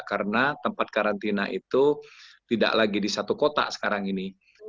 karena tempat karantina itu tidak lagi di satu kota sekarang ini